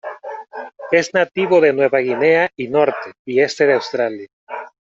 Es nativo de Nueva Guinea y norte y este de Australia.